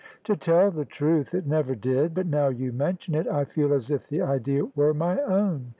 " To tell the truth, it never did ; but now you mention it, I feel as if the idea were my own.